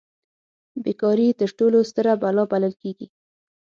بې کاري تر ټولو ستره بلا بلل کیږي.